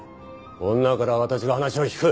女からは私が話を聞く。